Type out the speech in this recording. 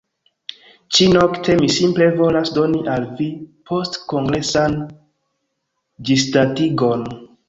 Ĉi-nokte mi simple volas doni al vi postkongresan ĝisdatigon